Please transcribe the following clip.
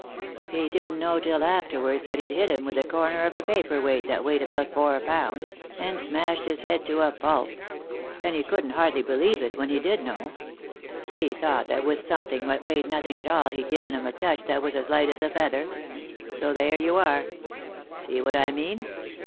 He didn't know till afterwards that he'd hit him with the comer of a paper weight what weighed about four pounds, and smashed his head to a pulp ; and he couldn't hardly believe it when he did know — he thought that with something what weighed nothing at all he'd given him a touch what was as light as a feather; so there you are. See what I mean?"